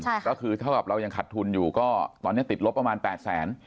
ใช่ก็คือเท่ากับเรายังขัดทุนอยู่ก็ตอนนี้ติดลบประมาณแปดแสน